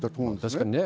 確かにね。